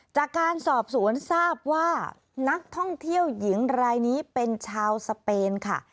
จากการสอบสวนทราบว่านักท่องเที่ยวหญิงรายนี้เป็นชาวสเปนค่ะ